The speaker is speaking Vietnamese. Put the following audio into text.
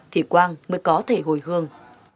thì quang mới có thể hồi hương